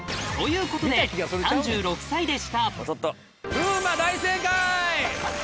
風磨大正解！